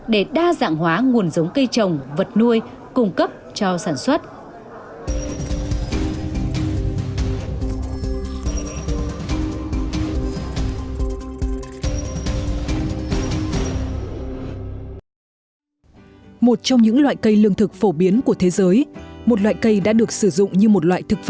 để đa dạng hóa nguồn giống cây trồng vật nuôi cung cấp cho sản xuất